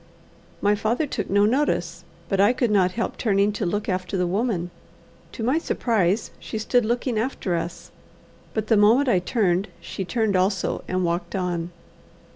My father took no notice, but I could not help turning to look after the woman. To my surprise she stood looking after us, but the moment I turned, she turned also and walked on.